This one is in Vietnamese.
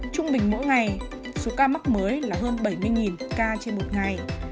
trung bình mỗi ngày số ca mắc mới là hơn bảy mươi ca trên một ngày